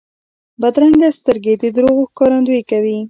بدرنګه سترګې د دروغو ښکارندویي کوي